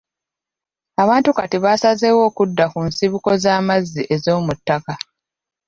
Abantu kati basazeewo okudda ku nsibuko z'amazzi ez'omuttaka.